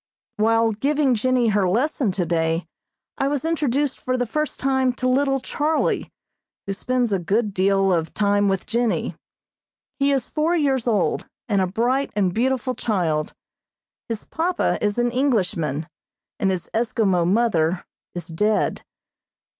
While giving Jennie her lesson today I was introduced for the first time to little Charlie, who spends a good deal of time with Jennie. He is four years old, and a bright and beautiful child. His papa is an Englishman, and his Eskimo mother is dead.